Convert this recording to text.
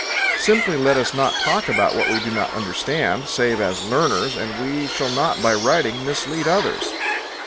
Simply let us not talk about what we do not understand, save as learners, and we shall not by writing mislead others.